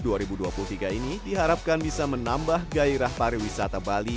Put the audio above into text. turnamen sepak bola indonesia u tujuh belas dua ribu dua puluh tiga ini diharapkan bisa menambah gairah pariwisata bali